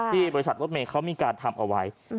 ที่บริษัทรถเมย์เขามีการทำเอาไว้